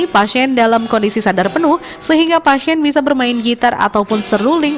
pasien dalam kondisi sadar penuh sehingga pasien bisa bermain gitar ataupun seruling